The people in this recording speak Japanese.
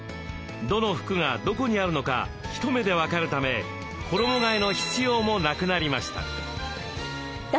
どの服がどこにあるのか一目で分かるため衣替えの必要もなくなりました。